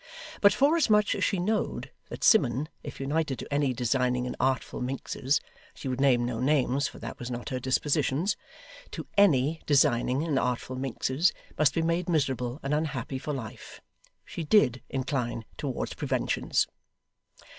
But forasmuch as she knowed that Simmun, if united to any designing and artful minxes (she would name no names, for that was not her dispositions) to ANY designing and artful minxes must be made miserable and unhappy for life, she DID incline towards prewentions.